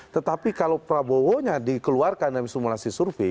tetapi kalau prabowonya dikeluarkan dari simulasi survei